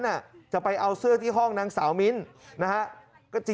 เนี้ยจะไปเอาเสื้อที่ห้องนางสาวมินท์นะฮะ